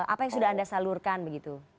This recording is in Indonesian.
apa yang sudah anda salurkan begitu